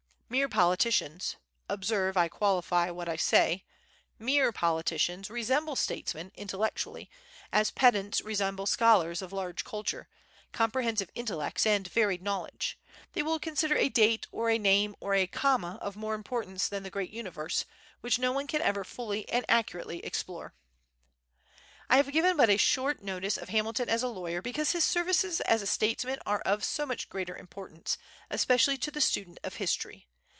Mere politicians, observe, I qualify what I say, mere politicians resemble statesmen, intellectually, as pedants resemble scholars of large culture, comprehensive intellects, and varied knowledge; they will consider a date, or a name, or a comma, of more importance than the great universe, which no one can ever fully and accurately explore. I have given but a short notice of Hamilton as a lawyer, because his services as a statesman are of so much greater importance, especially to the student of history.